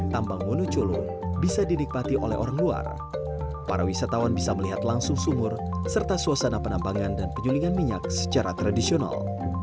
tambang wonocolo bisa dinikmati oleh orang luar para wisatawan bisa melihat langsung sumur serta suasana penambangan dan penyulingan minyak secara tradisional